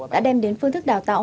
đã đem đến phương thức đào tạo